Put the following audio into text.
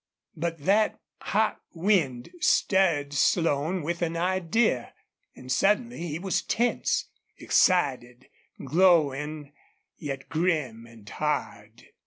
But that hot wind stirred Slone with an idea, and suddenly he was tense, excited, glowing, yet grim and hard.